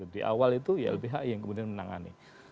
di awal itu ylbhi yang kemudian menangani